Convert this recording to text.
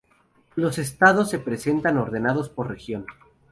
Los estados se presentan ordenados por región.